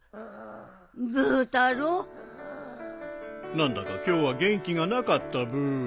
何だか今日は元気がなかったブー。